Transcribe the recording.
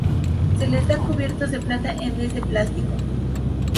Se les da cubiertos de plata en vez de plástico.